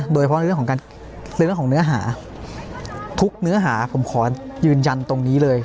โดยเฉพาะในเรื่องของเนื้อหาทุกเนื้อหาผมขอยืนยันตรงนี้เลย